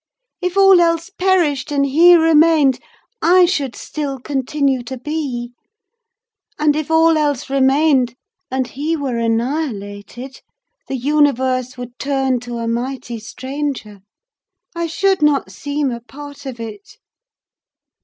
If all else perished, and he remained, I should still continue to be; and if all else remained, and he were annihilated, the universe would turn to a mighty stranger: I should not seem a part of it.